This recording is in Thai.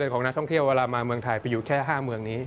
ของนักท่องเที่ยวเวลามาเมืองไทยไปอยู่แค่๕เมืองนี้